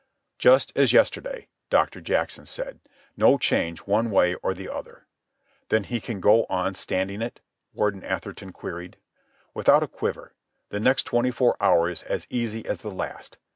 "Just as yesterday," Doctor Jackson said. "No change one way or the other." "Then he can go on standing it?" Warden Atherton queried. "Without a quiver. The next twenty four hours as easy as the last.